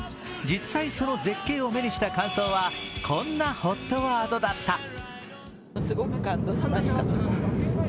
実際、その絶景を目にした感想はこんなＨＯＴワードだった。